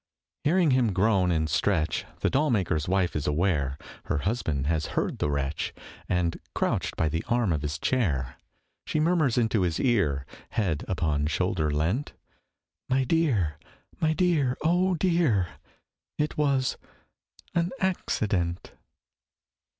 Hearing him groan and stretch The doll maker's wife is aware Her husband has heard the wretch, And crouched by the arm of his chair, She murmurs into his ear, Head upon shoulder leant: 'My dear, my dear, oh dear, It was an accident.'